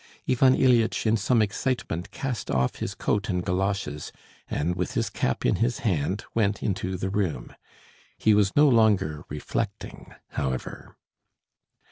Ivan Ilyitch in some excitement cast off his coat and galoshes, and with his cap in his hand went into the room. He was no longer reflecting, however.